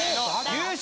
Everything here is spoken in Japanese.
優勝